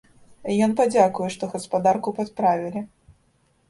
Ён падзякуе, што гаспадарку падправілі.